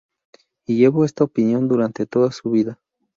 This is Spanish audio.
Y llevo esta opinión durante toda su vida.